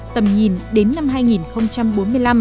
tầm nhìn đến năm hai nghìn bốn mươi năm